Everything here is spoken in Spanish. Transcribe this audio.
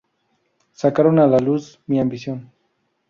Sacaron a luz mi ambición.